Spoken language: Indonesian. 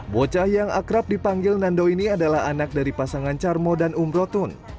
bocah yang akrab dipanggil nando ini adalah anak dari pasangan carmo dan umrotun